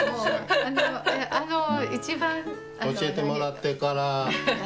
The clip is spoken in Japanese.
教えてもらってから。